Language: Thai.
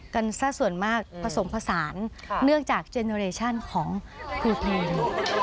กันซะส่วนมากผสมผสานเนื่องจากเจเนอเรชั่นของครูเพลง